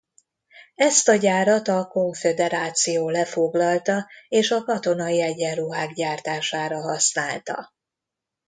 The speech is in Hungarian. Ezt a gyárat a Konföderáció lefoglalta és a katonai egyenruhák gyártására használta.